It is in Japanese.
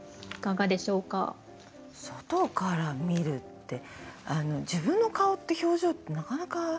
外から見るって自分の顔って表情ってなかなか。